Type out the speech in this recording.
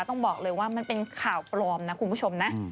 ต้องบอกเลยว่ามันเป็นข่าวปลอมนะคุณผู้ชมนะ